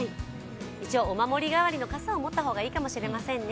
一応、お守り代わりの傘を持った方がいいかもしれませんね。